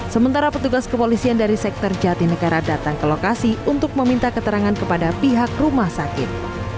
sementara petugas kepolisian dari sektor jatinegara datang ke lokasi untuk meminta keterangan kepada pihak rumah sakit